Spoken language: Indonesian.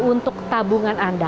untuk tabungan anda